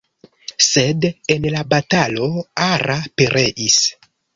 Sed en la batalo Ara pereis.